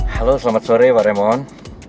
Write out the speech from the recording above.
halo selamat sore pak remon